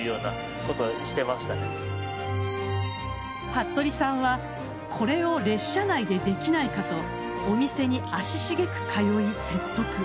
服部さんはこれを列車内でできないかとお店に足しげく通い、説得。